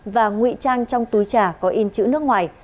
và ngụy trang trong túi trà có in chữ nước ngoài